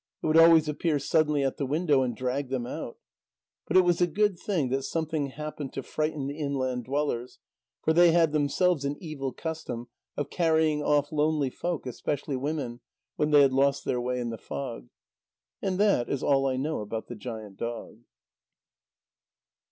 It would always appear suddenly at the window, and drag them out. But it was a good thing that something happened to frighten the inland dwellers, for they had themselves an evil custom of carrying off lonely folk, especially women, when they had lost their way in the fog. And that is all I know about the Giant Dog.